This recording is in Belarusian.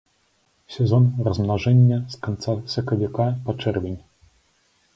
Сезон размнажэння з канца сакавіка па чэрвень.